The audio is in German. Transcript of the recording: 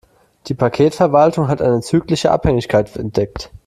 Die Paketverwaltung hat eine zyklische Abhängigkeit entdeckt.